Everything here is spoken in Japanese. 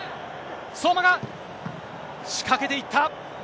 相馬が仕掛けていった。